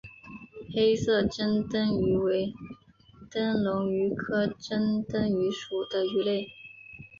黑色珍灯鱼为灯笼鱼科珍灯鱼属的鱼类。